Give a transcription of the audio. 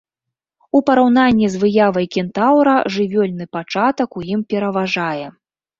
У параўнанні з выявай кентаўра жывёльны пачатак у ім пераважае.